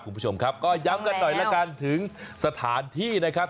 คุณผู้ชมครับก็ย้ำกันหน่อยละกันถึงสถานที่นะครับ